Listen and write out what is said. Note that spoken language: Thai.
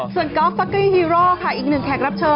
ส่วนกอล์ฟฟักกี้ฮีโร่ค่ะอีกหนึ่งแขกรับเชิญ